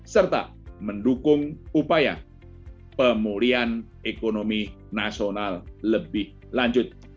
serta mendukung upaya pemulihan ekonomi nasional lebih lanjut